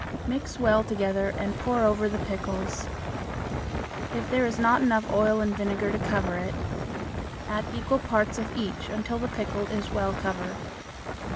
Mix well together and pour over the pickles. If there is not enough oil and vinegar to cover it, add equal parts of each until the pickle is well covered.